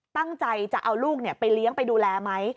ตั้งใจจะเอาลูกไปเลี้ยงไปดูแลไหม